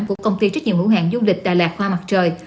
của công ty trách nhiệm hữu hạn du lịch đà lạt hoa mặt trời